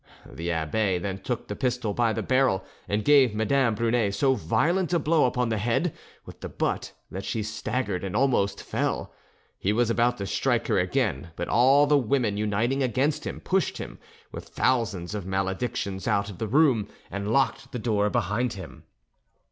The abbe then took the pistol by the barrel and gave Madame Brunet so violent a blow upon the head with the butt that she staggered and almost fell; he was about to strike her again, but all the women uniting against him, pushed him, with thousands of maledictions, out of the room, and locked the door behind him.